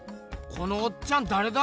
このおっちゃんだれだ？